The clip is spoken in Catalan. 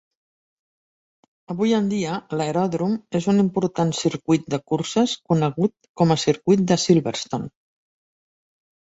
Avui en dia, l'aeròdrom és un important circuit de curses conegut com a circuit de Silverstone.